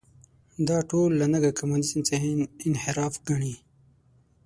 دا ټول له نګه کمونیزم څخه انحراف ګڼي.